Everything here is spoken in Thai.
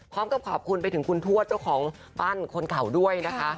พร้อมกับขอบคุณไปถึงคุณทวดเจ้าของบ้านคนเก่าด้วยนะคะ